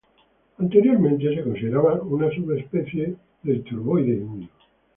Anteriormente se consideraba una subespecie del turdoide indio.